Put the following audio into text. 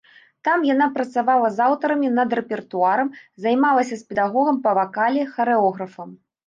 Там яна працавала з аўтарамі над рэпертуарам, займалася з педагогам па вакале, харэографам.